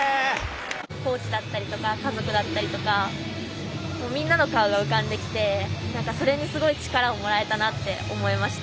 コーチだったりとか家族だったりとかみんなの顔が浮かんできてそれにすごい力をもらえたなって思えました。